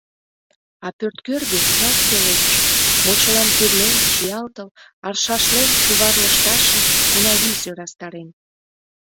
А пӧрткӧргӧ — ялт пеледыш: мочылам тӱрлен, чиялтыл, аршашлен чувар лышташым, Кунавий сӧрастарен.